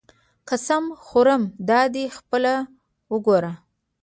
قسم خورم دادی خپله وګوره.